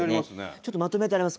ちょっとまとめてあります。